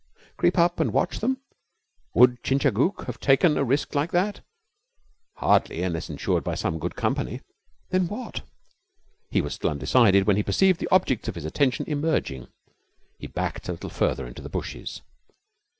Creep up and watch them? Would Chingachgook have taken a risk like that? Hardly, unless insured with some good company. Then what? He was still undecided when he perceived the objects of his attention emerging. He backed a little farther into the bushes.